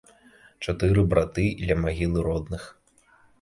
Чатыры браты ля магілы родных.